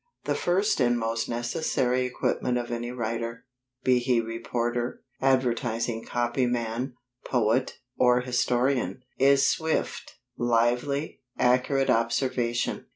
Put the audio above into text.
The first and most necessary equipment of any writer, be he reporter, advertising copy man, poet, or historian, is swift, lively, accurate observation.